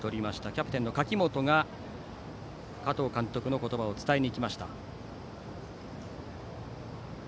キャプテンの柿本が加藤監督の言葉を伝えにきました。